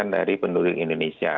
dari penduling indonesia